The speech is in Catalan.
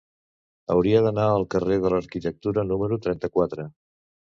Hauria d'anar al carrer de l'Arquitectura número trenta-quatre.